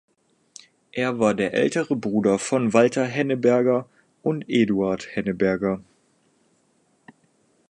Er war der ältere Bruder von Walter Henneberger und Eduard Henneberger.